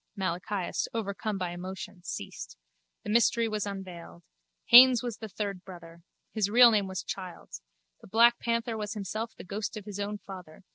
Malachias, overcome by emotion, ceased. The mystery was unveiled. Haines was the third brother. His real name was Childs. The black panther was himself the ghost of his own father.